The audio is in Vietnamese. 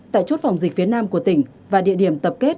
tại chốt phòng dịch phía nam của tỉnh và địa điểm tập kết